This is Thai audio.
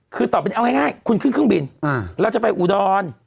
คือต่อเป็นเอาง่ายคุณขึ้นเครื่องบินเราจะไปอุดร